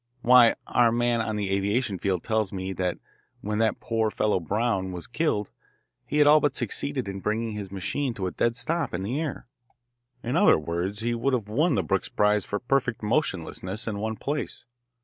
Why, our man on the aviation field tells me that when that poor fellow Browne was killed he had all but succeeded in bringing his machine to a dead stop in the air. In other words, he would have won the Brooks Prize for perfect motionlessness in one place.